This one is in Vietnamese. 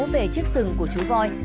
về chiếc sừng của chú voi